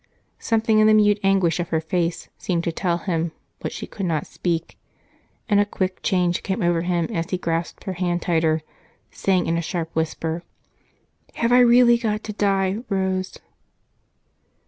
Something in the mute anguish of her face seemed to tell him what she could not speak, and a quick change came over him as he grasped her hand tighter, saying in a sharp whisper: "Have I really got to die, Rose?"